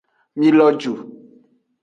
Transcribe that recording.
Mi lo ju.